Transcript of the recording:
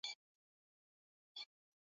yenye mavazi kutoka kwa kipindi chake katika